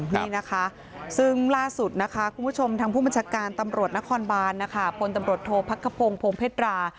นี่นะคะซึ่งล่าสุดนะคะคุณผู้ชมทางผู้บัญชาการตำรวจนครบาลนะคะ